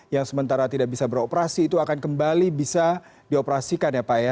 yang sementara tidak bisa beroperasi itu akan kembali bisa dioperasikan ya pak ya